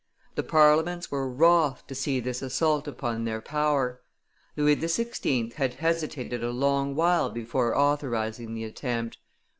The parliaments were wroth to see this assault upon their power. Louis XVI. had hesitated a long while before authorizing the attempt.